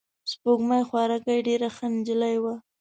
سپوږمۍ خوارکۍ ډېره ښه نجلۍ وه.